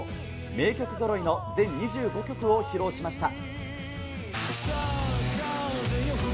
名曲ぞろいの全２５曲を披露しました。